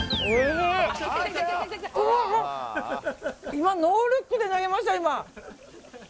今、ノールックで投げましたよ。